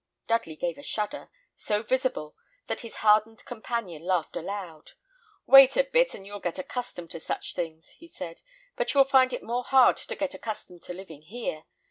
Dudley gave a shudder, so visible, that his hardened companion laughed aloud. "Wait a bit, and you'll get accustomed to such things," he said; "but you'll find it more hard to get accustomed to living here.